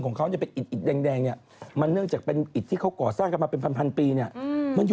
โดยประหลาฬชอบอะก็เพื่อน